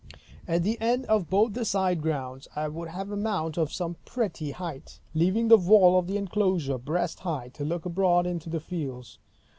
At the end of both the side grounds, I would have a mount of some pretty height, leaving the wall of the enclosure breast high, to look abroad into the fields.